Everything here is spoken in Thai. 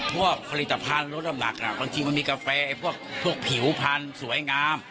ผลิตภัณฑ์ลดน้ำหนักบางทีมันมีกาแฟพวกผิวพันธุ์สวยงาม